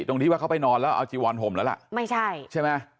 ที่ว่าเขาไปนอนแล้วเอาจีวอนห่มแล้วล่ะไม่ใช่ใช่ไหม